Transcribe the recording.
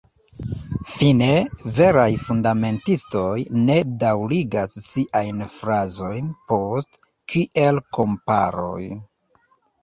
Fine, veraj fundamentistoj ne daŭrigas siajn frazojn post kiel-komparoj.